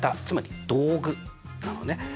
つまり道具なのね。